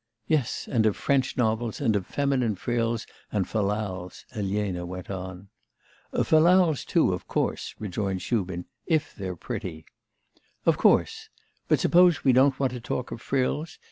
'Yes; and of French novels, and of feminine frills and fal lals,' Elena went on. 'Fal lals, too, of course,' rejoined Shubin, 'if they're pretty.' 'Of course. But suppose we don't want to talk of frills?